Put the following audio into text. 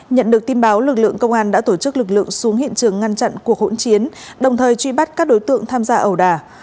nhận được tin báo lực lượng công an đã tổ chức lực lượng xuống hiện trường ngăn chặn cuộc hỗn chiến đồng thời truy bắt các đối tượng tham gia ẩu đà